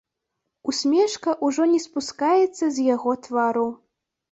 Усмешка ўжо не спускаецца з яго твару.